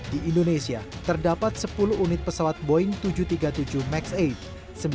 di indonesia terdapat sepuluh unit pesawat boeing tujuh ratus tiga puluh tujuh max delapan